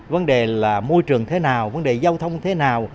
vấn đề là môi trường thế nào vấn đề giao thông thế nào